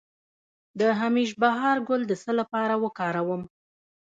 د همیش بهار ګل د څه لپاره وکاروم؟